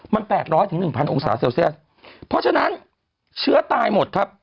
มัน๘๐๐๑๐๐องศาเซลเซียสเพราะฉะนั้นเชื้อตายหมดครับ